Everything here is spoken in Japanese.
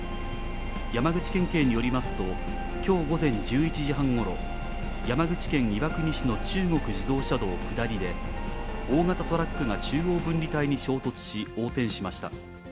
山口県警によりますと、きょう午前１１時半ごろ、山口県岩国市の中国自動車道下りで、大型トラックが中央分離帯に衝突し、横転しました。